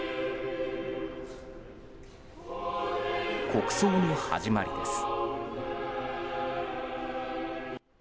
国葬の始まりです。